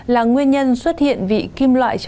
là nguyên nhân xuất hiện vị kim loại